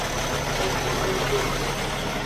Eglidogbe.